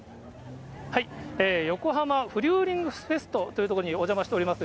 横浜フリューリングフェストという所にお邪魔しております。